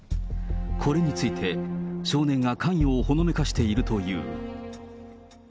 これについて、少年が関与をほのめかしているという。